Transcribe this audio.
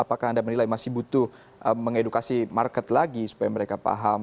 apakah anda menilai masih butuh mengedukasi market lagi supaya mereka paham